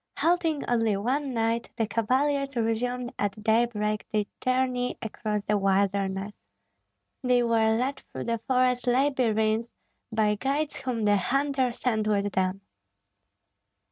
Halting only one night, the cavaliers resumed at daybreak their journey across the wilderness. They were led through the forest labyrinths by guides whom the hunter sent with them.